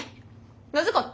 なぜかって？